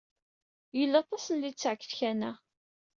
Yella aṭas n litteɛ deg tkanna.